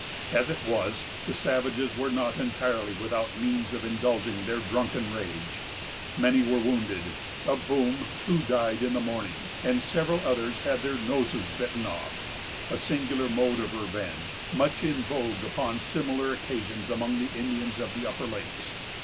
As it was, the savages were not entirely without means of indulging their drunken rage. Many were wounded, of whom two died in the morning; and several others had their noses bitten off,——a singular mode of revenge, much in vogue upon similar occasions, among the Indians of the upper lakes.